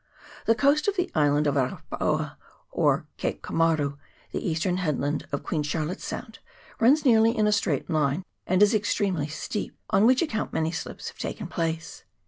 The coast of the island of Arapaoa to Cape Komaru, the eastern headland of Queen Charlotte's Sound, runs nearly in a straight line, and is extremely steep, on which account many slips have taken place.